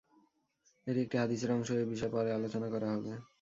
এটি একটি হাদীসের অংশ, এ বিষয়ে পরে আলোচনা করা হবে।